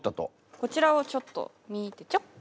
こちらをちょっと見てちょ。